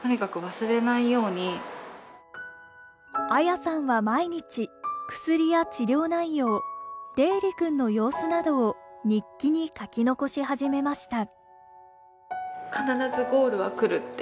礼さんは毎日、薬を治療内容、怜龍君の様子などを日記に書き残し始めました。